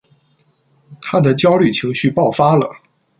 他的焦虑情绪爆发了。